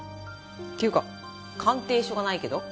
ていうか鑑定書がないけど？